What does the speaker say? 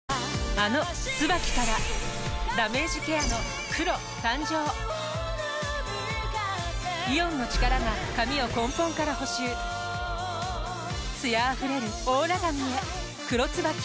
あの「ＴＳＵＢＡＫＩ」からダメージケアの黒誕生イオンの力が髪を根本から補修艶あふれるオーラ髪へ「黒ＴＳＵＢＡＫＩ」